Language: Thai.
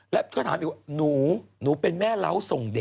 ล่าสุดสอบถามไปยังผู้จัดการเอมมี่